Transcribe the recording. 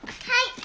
はい。